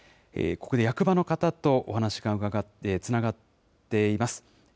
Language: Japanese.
ここで役場の方とお話がつながっています。